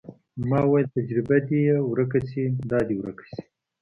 ما وويل تجربه دې يې ورکه سي دا دې ورکه سي.